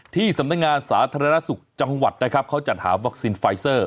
ที่สำนักงานสาธารณสุขจังหวัดนะครับเขาจัดหาวัคซีนไฟเซอร์